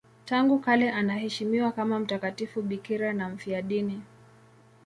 Tangu kale anaheshimiwa kama mtakatifu bikira na mfiadini.